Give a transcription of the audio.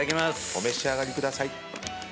お召し上がりください。